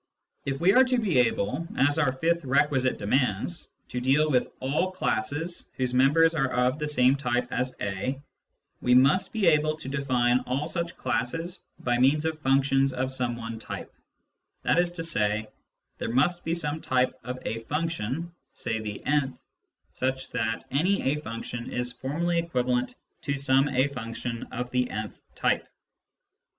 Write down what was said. If we are to be able (as our fifth requisite demands) to deal with all classes whose members are of the same type as a, we must be able to define all such classes by means of functions of some one type ; that is to say, there must be some type of ^ function, say the »'*, such that any a function is formally Classes 191 equivalent to some a function of the n* h type.